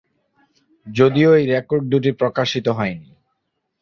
যদিও এই রেকর্ড দুটি প্রকাশিত হয়নি।